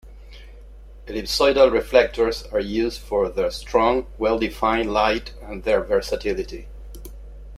Ellipsoidal reflectors are used for their strong, well-defined light and their versatility.